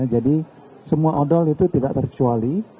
jadi semua odol itu tidak tercuali